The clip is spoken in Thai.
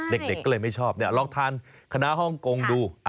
เด็กก็เลยไม่ชอบลองทานคณะฮ่องกงดู